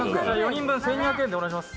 ４人分１２００円でお願いします